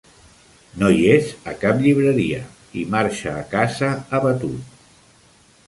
No hi és a cap llibreria i marxa a casa abatut.